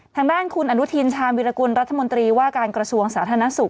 ทางด้านคุณอนุทินชาญวิรากุลรัฐมนตรีว่าการกระทรวงสาธารณสุข